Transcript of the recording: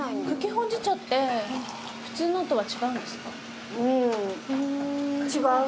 くきほうじ茶って普通のとは違うんですか？